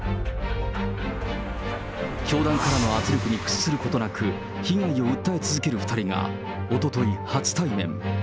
教団からの圧力に屈することなく、被害を訴え続ける２人が、おととい、初対面。